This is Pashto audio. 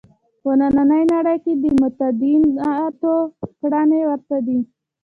په نننۍ نړۍ کې د متدینانو کړنې ورته دي.